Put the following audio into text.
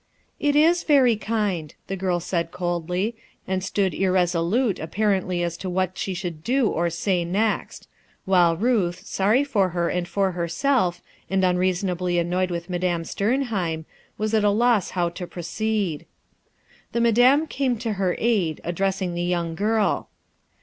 "It is very kind," the girl said coldly, ami stood irresolute apparently as to what she should do or say next; while Ruth, sorry for her and for herself and unreasonably annoyed with Madame Stcrnheira, was at a loss how to pro ceed. The Madame came to her aid, addressing the young girl.